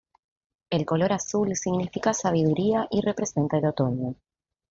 El Color Azul significa sabiduría y representa el otoño.